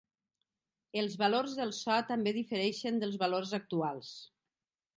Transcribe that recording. Els valors del so també difereixen dels valors actuals.